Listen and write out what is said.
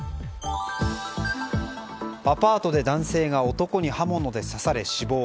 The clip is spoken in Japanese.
アパートで男性が男に刃物で刺され死亡。